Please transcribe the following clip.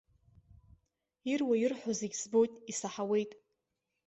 Ируа-ирҳәо зегьы збоит, исаҳауеит.